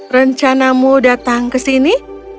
rencanamu datang ke sini